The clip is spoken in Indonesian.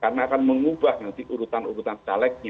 karena akan mengubah nanti urutan urutan calegnya